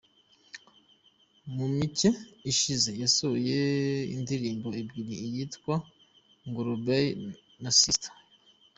Mu mike ishize yasohoye indirimbo ebyiri iyitwa ‘Ng’olabye’ na ‘Sisteri’.